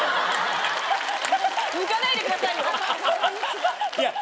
抜かないでくださいよ。